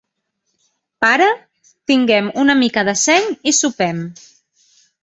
Ara, tinguem una mica de seny i sopem.